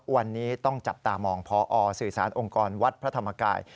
วันนี้ต้องจับตามองพอสื่อสารองค์กรวัดพระธรรมกาย